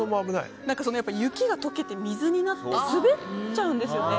雪が溶けて水になって滑っちゃうんですよね。